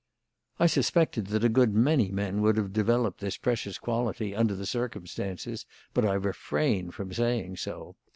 I suspected that a good many men would have developed this precious quality under the circumstances, but I refrained from saying so.